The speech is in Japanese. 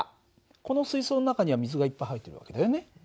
この水そうの中には水がいっぱい入ってる訳だよね。